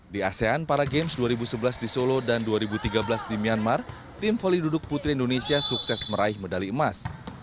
di asean para games dua ribu sebelas di solo dan dua ribu tiga belas di myanmar tim volley duduk putri indonesia sukses meraih medali emas